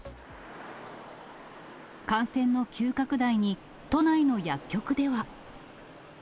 感染の急拡大に、都内の薬局では。